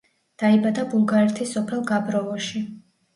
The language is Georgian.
დაიბადა ბულგარეთის სოფელ გაბროვოში.